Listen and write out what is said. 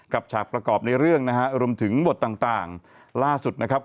ฉากประกอบในเรื่องนะฮะรวมถึงบทต่างต่างล่าสุดนะครับ